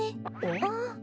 あっ？